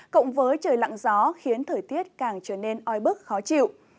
cộng với trời lặng gió khiến thời tiết càng trở nên oi bức khó chịu